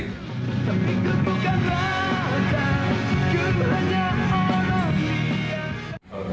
tapi ketukupan rasa